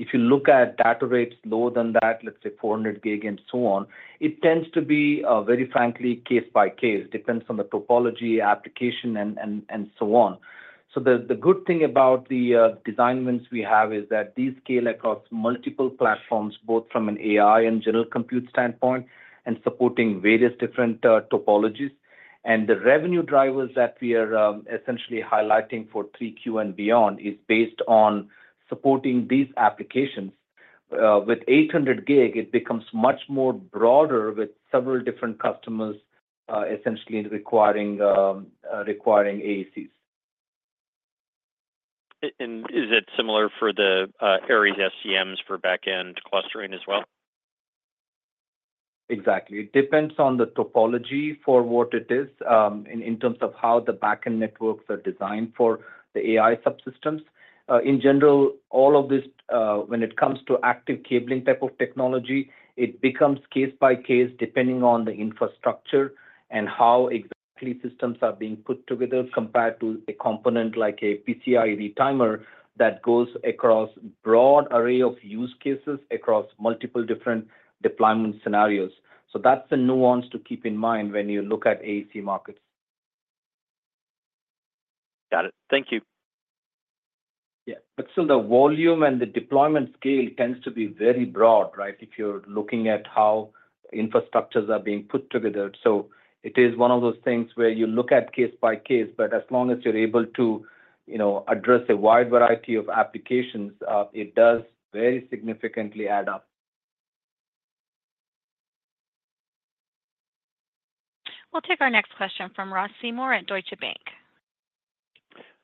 If you look at data rates lower than that, let's say 400 gig and so on, it tends to be very frankly case by case. It depends on the topology, application, and so on. So the good thing about the design wins we have is that these scale across multiple platforms, both from an AI and general compute standpoint, and supporting various different topologies. And the revenue drivers that we are essentially highlighting for 3Q and beyond is based on supporting these applications. With 800 gig, it becomes much more broader with several different customers essentially requiring AECs. Is it similar for the Aries SCMs for backend clustering as well? Exactly. It depends on the topology for what it is in terms of how the backend networks are designed for the AI subsystems. In general, all of this, when it comes to active cabling type of technology, it becomes case by case depending on the infrastructure and how exactly systems are being put together compared to a component like a PCI retimer that goes across a broad array of use cases across multiple different deployment scenarios. So that's a nuance to keep in mind when you look at the AEC market. Got it. Thank you. Yeah, but still the volume and the deployment scale tends to be very broad, right? If you're looking at how infrastructures are being put together. So it is one of those things where you look at case by case, but as long as you're able to, you know, address a wide variety of applications, it does very significantly add up. We'll take our next question from Ross Seymore at Deutsche Bank.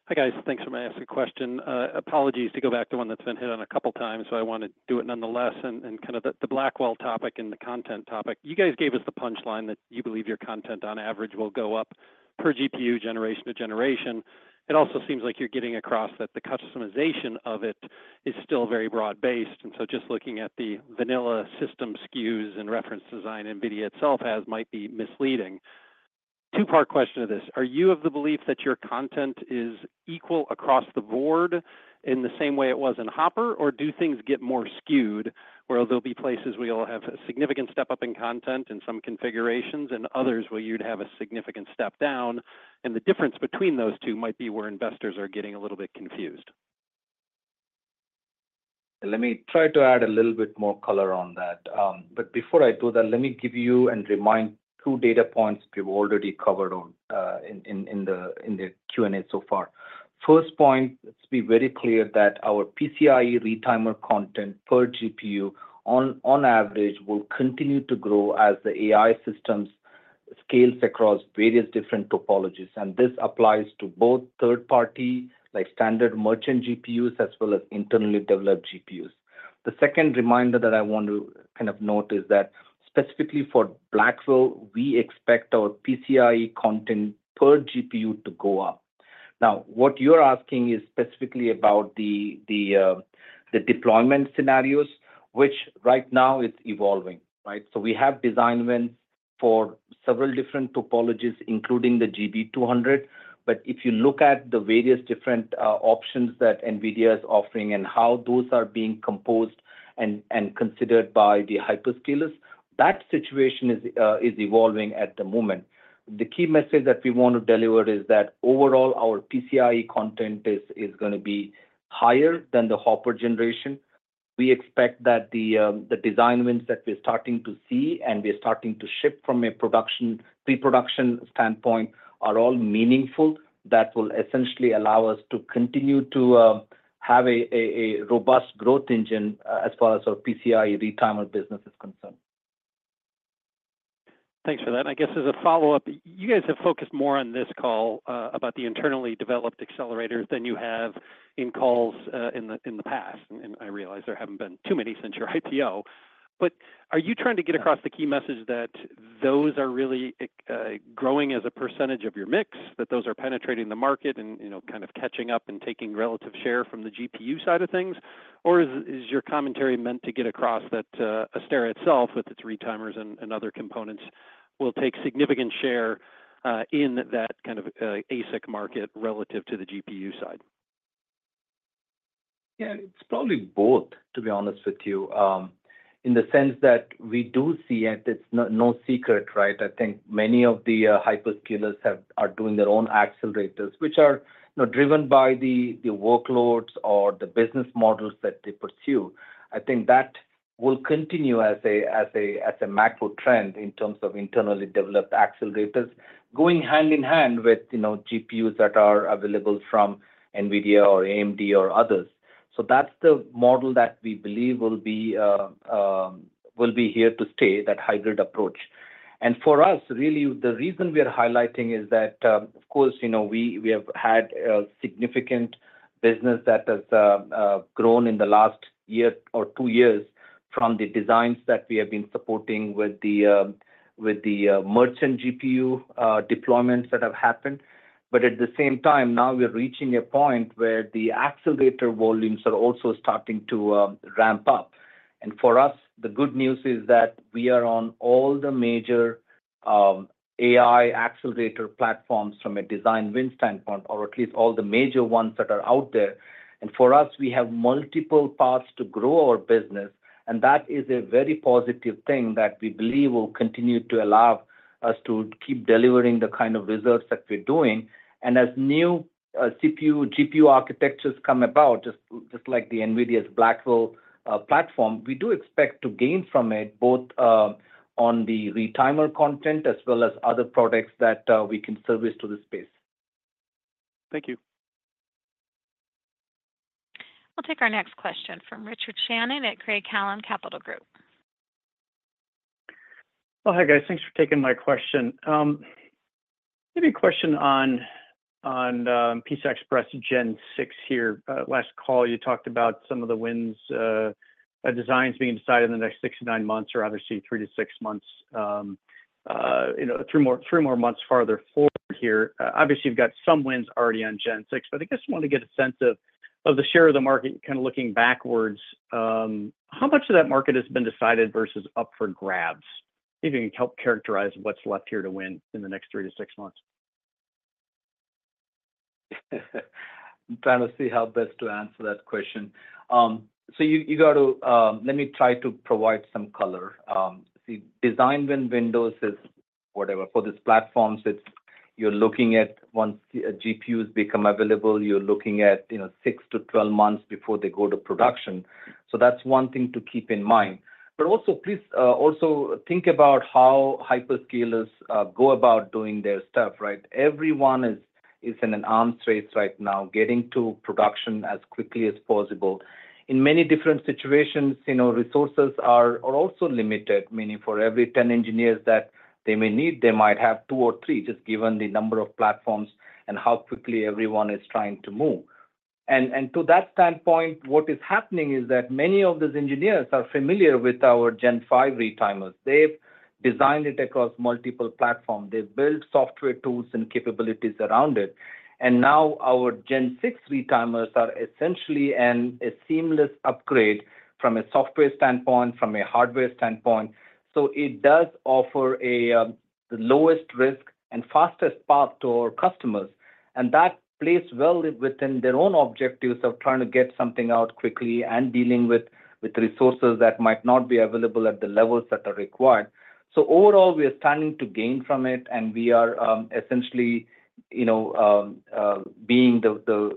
Hi guys, thanks for taking my question. Apologies to go back to one that's been hit on a couple of times, but I want to do it nonetheless and kind of the Blackwell topic and the content topic. You guys gave us the punchline that you believe your content on average will go up per GPU generation to generation. It also seems like you're getting across that the customization of it is still very broad-based. And so just looking at the vanilla system SKUs and reference design NVIDIA itself has might be misleading. Two-part question of this. Are you of the belief that your content is equal across the board in the same way it was in Hopper, or do things get more skewed, where there'll be places we'll have a significant step up in content in some configurations and others where you'd have a significant step down? The difference between those two might be where investors are getting a little bit confused. Let me try to add a little bit more color on that. Before I do that, let me give you and remind two data points we've already covered in the Q&A so far. First point, let's be very clear that our PCIe retimer content per GPU on average will continue to grow as the AI systems scale across various different topologies. This applies to both third-party like standard merchant GPUs as well as internally developed GPUs. The second reminder that I want to kind of note is that specifically for Blackwell, we expect our PCIe content per GPU to go up. Now, what you're asking is specifically about the deployment scenarios, which right now it's evolving, right? We have design wins for several different topologies, including the GB200. But if you look at the various different options that NVIDIA is offering and how those are being composed and considered by the hyperscalers, that situation is evolving at the moment. The key message that we want to deliver is that overall our PCI content is going to be higher than the Hopper generation. We expect that the design wins that we're starting to see and we're starting to shift from a production pre-production standpoint are all meaningful. That will essentially allow us to continue to have a robust growth engine as far as our PCI retimer business is concerned. Thanks for that. I guess as a follow-up, you guys have focused more on this call about the internally developed accelerators than you have in calls in the past. I realize there haven't been too many since your IPO. But are you trying to get across the key message that those are really growing as a percentage of your mix, that those are penetrating the market and, you know, kind of catching up and taking relative share from the GPU side of things? Or is your commentary meant to get across that Astera itself, with its retimers and other components, will take significant share in that kind of ASIC market relative to the GPU side? Yeah, it's probably both, to be honest with you, in the sense that we do see it. It's no secret, right? I think many of the hyperscalers are doing their own accelerators, which are driven by the workloads or the business models that they pursue. I think that will continue as a macro trend in terms of internally developed accelerators going hand in hand with, you know, GPUs that are available from NVIDIA or AMD or others. So that's the model that we believe will be here to stay, that hybrid approach. And for us, really, the reason we are highlighting is that, of course, you know, we have had significant business that has grown in the last year or two years from the designs that we have been supporting with the merchant GPU deployments that have happened. But at the same time, now we're reaching a point where the accelerator volumes are also starting to ramp up. And for us, the good news is that we are on all the major AI accelerator platforms from a design win standpoint, or at least all the major ones that are out there. And for us, we have multiple paths to grow our business. And that is a very positive thing that we believe will continue to allow us to keep delivering the kind of results that we're doing. And as new CPU GPU architectures come about, just like the NVIDIA's Blackwell platform, we do expect to gain from it both on the retimer content as well as other products that we can service to the space. Thank you. We'll take our next question from Richard Shannon at Craig-Hallum Capital Group. Well, hi guys. Thanks for taking my question. Maybe a question on PCI Express Gen 6 here. Last call, you talked about some of the design wins being decided in the next 6-9 months or, rather, say, 3-6 months, you know, 3 more months farther forward here. Obviously, you've got some wins already on Gen 6, but I guess I want to get a sense of the share of the market kind of looking backwards. How much of that market has been decided versus up for grabs? Maybe you can help characterize what's left here to win in the next 3-6 months. I'm trying to see how best to answer that question. So you got to, let me try to provide some color. Design win windows is whatever. For these platforms, you're looking at once GPUs become available, you're looking at, you know, 6-12 months before they go to production. So that's one thing to keep in mind. But also, please also think about how hyperscalers go about doing their stuff, right? Everyone is in an arms race right now, getting to production as quickly as possible. In many different situations, you know, resources are also limited. Meaning for every 10 engineers that they may need, they might have two or three, just given the number of platforms and how quickly everyone is trying to move. And to that standpoint, what is happening is that many of those engineers are familiar with our Gen 5 retimers. They've designed it across multiple platforms. They've built software tools and capabilities around it. And now our Gen 6 retimers are essentially a seamless upgrade from a software standpoint, from a hardware standpoint. So it does offer the lowest risk and fastest path to our customers. And that plays well within their own objectives of trying to get something out quickly and dealing with resources that might not be available at the levels that are required. So overall, we are starting to gain from it, and we are essentially, you know, being the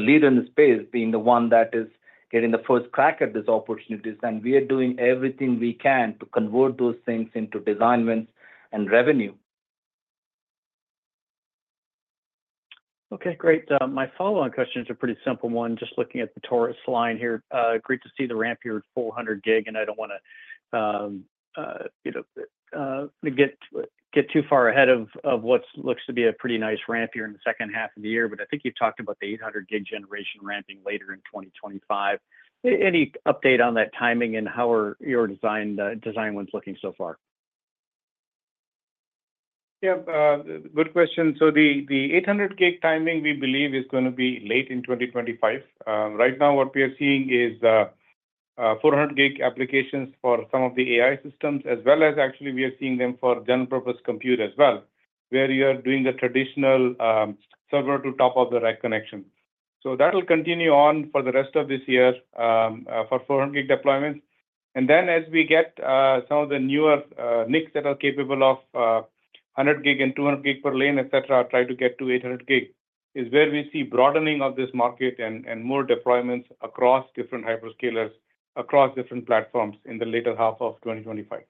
leader in the space, being the one that is getting the first crack at these opportunities. And we are doing everything we can to convert those things into design wins and revenue. Okay, great. My follow-on question is a pretty simple one. Just looking at the Taurus line here, great to see the ramp here at 400 gig, and I don't want to, you know, get too far ahead of what looks to be a pretty nice ramp here in the second half of the year. But I think you talked about the 800 gig generation ramping later in 2025. Any update on that timing and how are your design wins looking so far? Yeah, good question. So the 800 gig timing we believe is going to be late in 2025. Right now, what we are seeing is 400 gig applications for some of the AI systems, as well as actually we are seeing them for general-purpose compute as well, where you are doing the traditional server-to-top-of-the-rack connection. So that'll continue on for the rest of this year for 400 gig deployments. And then as we get some of the newer NICs that are capable of 100 gig and 200 gig per lane, etc., try to get to 800 gig, is where we see broadening of this market and more deployments across different hyperscalers, across different platforms in the later half of 2025.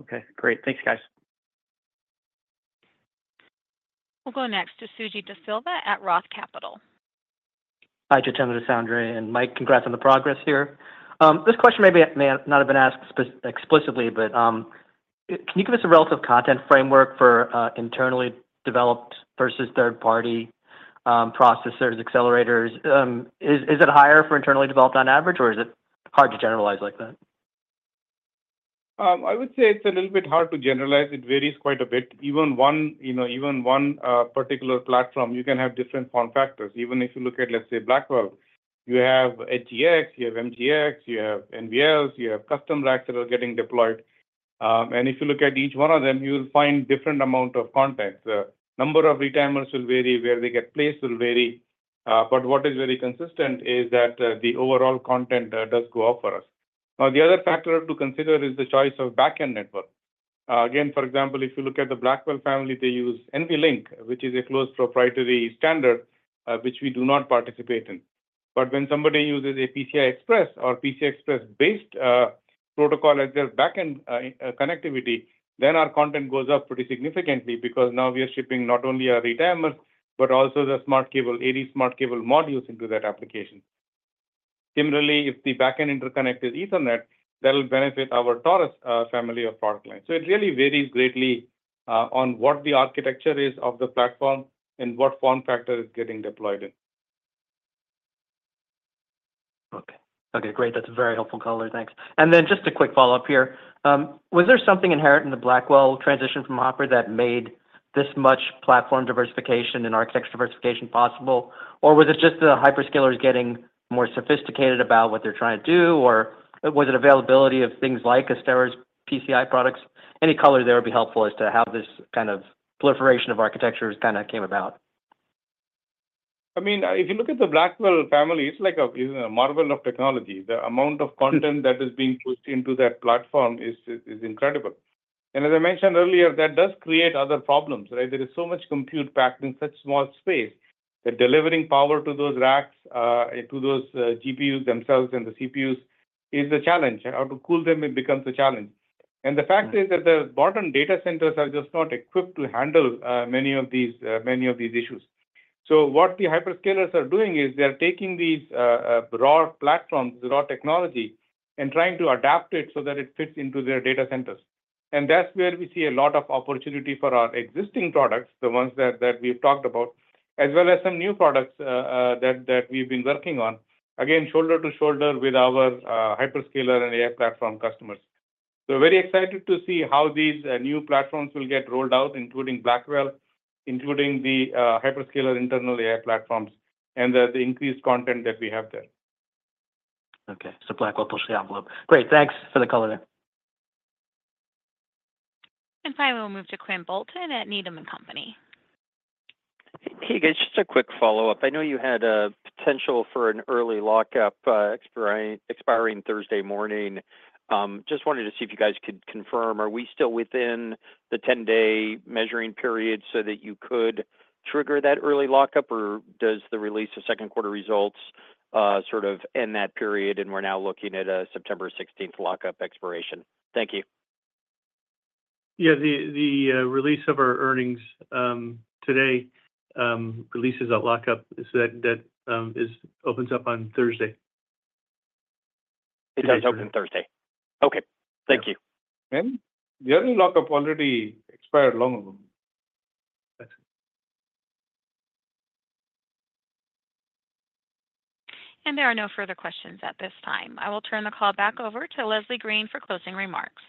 Okay, great. Thanks, guys. We'll go next to Suji Desilva at Roth Capital. Hi, Jitendra Mohan and Mike Tate. Congrats on the progress here. This question may not have been asked explicitly, but can you give us a relative content framework for internally developed versus third-party processors, accelerators? Is it higher for internally developed on average, or is it hard to generalize like that? I would say it's a little bit hard to generalize. It varies quite a bit. Even one, you know, even one particular platform, you can have different form factors. Even if you look at, let's say, Blackwell, you have HGX, you have MGX, you have NVLs, you have custom racks that are getting deployed. If you look at each one of them, you will find a different amount of content. The number of retimers will vary, where they get placed will vary. But what is very consistent is that the overall content does go up for us. Now, the other factor to consider is the choice of backend network. Again, for example, if you look at the Blackwell family, they use NVLink, which is a closed proprietary standard which we do not participate in. But when somebody uses a PCI Express or PCI Express-based protocol as their backend connectivity, then our content goes up pretty significantly because now we are shipping not only our retimers, but also the smart cable and smart cable modules into that application. Similarly, if the backend interconnect is Ethernet, that'll benefit our Taurus family of product lines. So it really varies greatly on what the architecture is of the platform and what form factor is getting deployed in. Okay, okay, great. That's a very helpful color. Thanks. And then just a quick follow-up here. Was there something inherent in the Blackwell transition from Hopper that made this much platform diversification and architecture diversification possible? Or was it just the hyperscalers getting more sophisticated about what they're trying to do? Or was it availability of things like Astera's PCI products? Any color there would be helpful as to how this kind of proliferation of architectures kind of came about. I mean, if you look at the Blackwell family, it's like a marvel of technology. The amount of content that is being pushed into that platform is incredible. As I mentioned earlier, that does create other problems, right? There is so much compute packed in such small space that delivering power to those racks, to those GPUs themselves and the CPUs is a challenge. How to cool them becomes a challenge. The fact is that the modern data centers are just not equipped to handle many of these issues. What the hyperscalers are doing is they're taking these raw platforms, the raw technology, and trying to adapt it so that it fits into their data centers. That's where we see a lot of opportunity for our existing products, the ones that we've talked about, as well as some new products that we've been working on, again, shoulder to shoulder with our hyperscaler and AI platform customers. So very excited to see how these new platforms will get rolled out, including Blackwell, including the hyperscaler internal AI platforms, and the increased content that we have there. Okay, so Blackwell pushed the envelope. Great. Thanks for the color there. Finally, we'll move to Quinn Bolton at Needham & Company. Hey, guys, just a quick follow-up. I know you had a potential for an early lockup expiring Thursday morning. Just wanted to see if you guys could confirm, are we still within the 10-day measuring period so that you could trigger that early lockup, or does the release of second quarter results sort of end that period and we're now looking at a September 16th lockup expiration? Thank you. Yeah, the release of our earnings today releases that lockup that opens up on Thursday. It does open Thursday. Okay, thank you. The earnings lockup already expired long ago. There are no further questions at this time. I will turn the call back over to Leslie Green for closing remarks.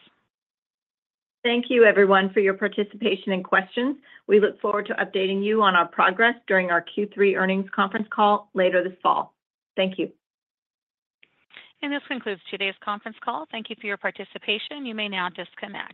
Thank you, everyone, for your participation and questions. We look forward to updating you on our progress during our Q3 earnings conference call later this fall. Thank you. This concludes today's conference call. Thank you for your participation. You may now disconnect.